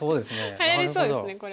はやりそうですねこれ。